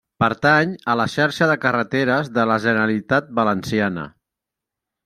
Pertany a la Xarxa de carreteres de la Generalitat Valenciana.